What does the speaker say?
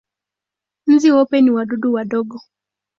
Nzi weupe ni wadudu wadogo.